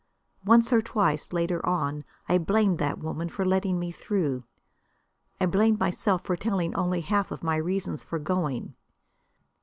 Once or twice, later on, I blamed that woman for letting me through. I blamed myself for telling only half of my reasons for going.